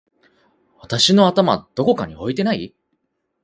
私の頭どこかに置いてない？！